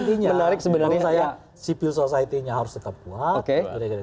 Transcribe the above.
intinya sifil society nya harus tetap kuat